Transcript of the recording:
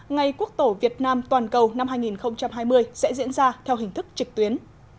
ngày quốc tổ việt nam toàn cầu năm hai nghìn hai mươi sẽ diễn ra theo hình thức trực tuyến